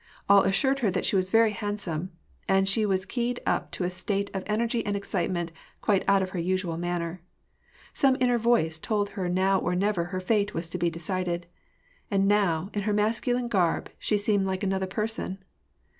All assured her that she was very handsome, and she was keyed up to a state of energy and excitement quite out of her usual manner. Some inner voice told her that now or never her fate was to be decided ; and now, in her masculine garb, she seemed like another person.